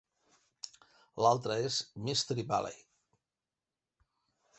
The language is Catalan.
L'altre és Mystery Valley.